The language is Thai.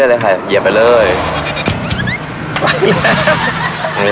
กอนไปถึงกินก่อนเลยนะ